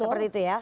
seperti itu ya